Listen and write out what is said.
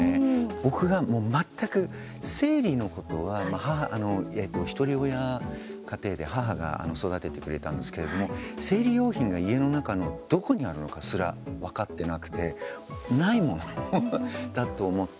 僕が、もう全く生理のことはひとり親家庭で母が育ててくれたんですけれども生理用品が家の中のどこにあるのかすら分かってなくてないものだと思って。